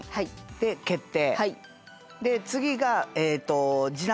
で「決定」。